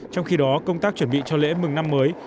trong khi đó công tác chuẩn bị cho lễ mừng năm mới